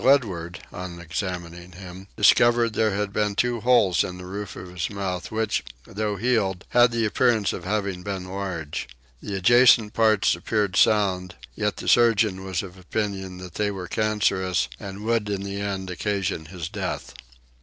Ledward, on examining him, discovered there had been two holes in the roof of his mouth which, though healed, had the appearance of having been large: the adjacent parts appeared sound, yet the surgeon was of opinion that they were cancerous and would in the end occasion his death.